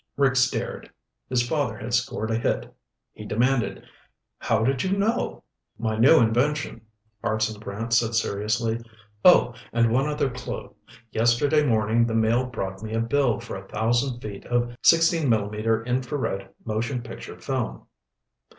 Rick stared. His father had scored a hit. He demanded, "How did you know?" "My new invention," Hartson Brant said seriously. "Oh, and one other clue. Yesterday morning the mail brought me a bill for a thousand feet of 16 millimeter infrared motion picture film."